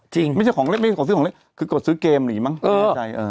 จริงไม่ใช่ของเล่นไม่ใช่ของซื้อของเล่นคือกดซื้อเกมหนีมั้ง